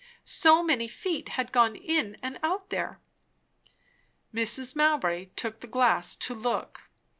So many feet had gone in and out there." Mrs. Mowbray took the glass to look.